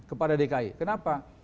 kepada dki kenapa